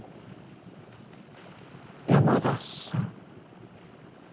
「山田」さん。